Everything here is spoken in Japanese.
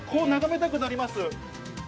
眺めたくなります。